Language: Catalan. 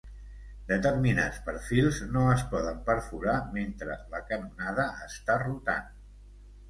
Determinats perfils no es poden perforar mentre la canonada està rotant.